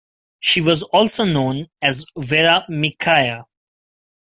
She was also known as Vera Micaia.